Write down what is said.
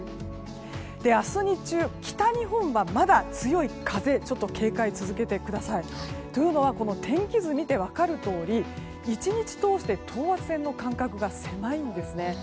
明日日中、北日本はまだ強い風に警戒を続けてください。というのは天気図を見て分かるように１日を通して等圧線の間隔が狭いんですね。